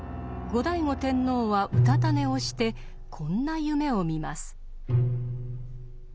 後醍醐天皇はうたた寝をしてこんな夢を見ます。